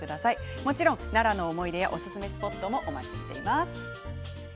もちろん奈良の思い出やおすすめスポットもお待ちしています。